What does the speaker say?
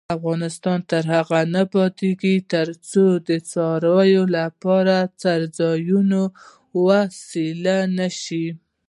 افغانستان تر هغو نه ابادیږي، ترڅو د څارویو لپاره څړځایونه وساتل نشي.